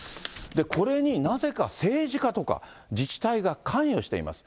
これになぜか政治家とか、自治体が関与しています。